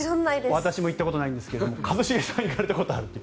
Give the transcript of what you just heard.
私も行ったことないんですけど一茂さん行かれたことがあると。